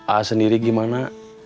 ah sendiri gimana